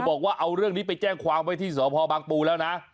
บอกว่าเอาเรื่องนี้ไปแจ้งความไว้ที่สพบางปูแล้วนะ